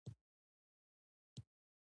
په شلمه پیړۍ کې دا اړیکې ډیرې بدلې شوې